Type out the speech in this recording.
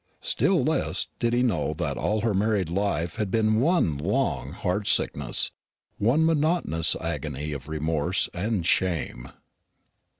Still less did he know that all her married life had been one long heart sickness one monotonous agony of remorse and shame.